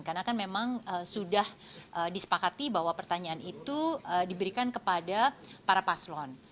karena kan memang sudah disepakati bahwa pertanyaan itu diberikan kepada para paslon